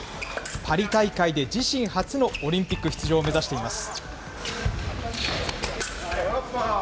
パリ大会で自身初のオリンピック出場を目指しています。